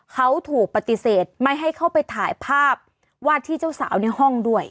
เขาถูกปฏิเสธไม่ให้เข้าไปถ่ายภาพวาดที่เจ้าสาวในห้องด้วย